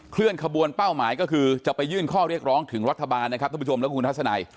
เคลื่อนขบวนเป้าหมายก็คือจะไปยื่นข้อเรียกร้องถึงรัฐบาลนะครับท่านผู้ชมและคุณทัศนัย